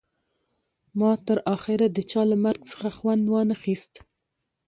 ما تر اخره د چا له مرګ څخه خوند ونه خیست